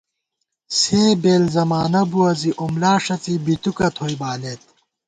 سے بېل زمانہ بُوَہ زی اُملا ݭڅی بِتُکہ تھوئی بالېت